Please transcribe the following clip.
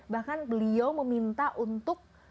bahkan beliau meminta untuk